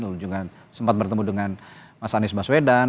kunjungan sempat bertemu dengan mas anies baswedan